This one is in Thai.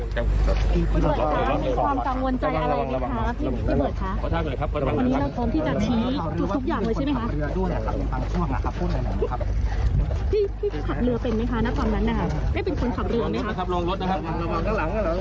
พร้อมที่ปลาให้การทุกอย่างกับตำรวจใช่ไหมคะพี่